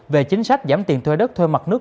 về chính sách giảm tiền thuê đất thuê mặt nước